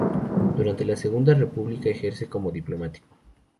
Durante la Segunda República ejerce como diplomático.